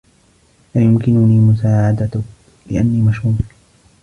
لا يمكنني مساعدتك لأني مشغول.